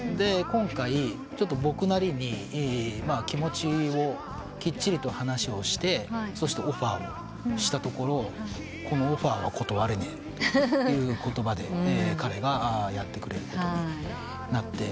今回僕なりに気持ちをきっちりと話をしてそしてオファーをしたところこのオファーは断れねえって言葉で彼がやってくれることになって。